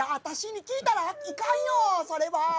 私に聞いたらいかんよそれは。